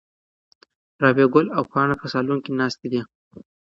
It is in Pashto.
رابعه ګل او پاڼه په صالون کې ناستې دي.